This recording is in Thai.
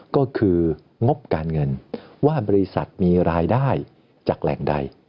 ก็คืองบการเงินว่าบริษัทมีรายได้จากแหล่งใด